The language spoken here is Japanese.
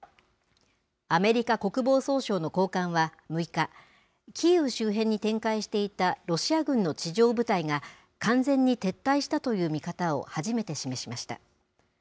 アメリカ国防総省の高官は６日、キーウ周辺に展開していたロシア軍の地上部隊が完全に撤退したという見方を初めて示しました。